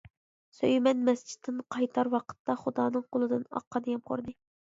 سۆيىمەن مەسچىتتىن قايتار ۋاقىتتا خۇدانىڭ قولىدىن ئاققان يامغۇرنى.